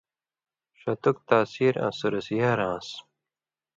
ݜَتُک تاثیر آں سُرسیۡ یار آن٘س